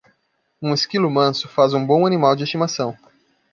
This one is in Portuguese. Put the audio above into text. Um esquilo manso faz um bom animal de estimação.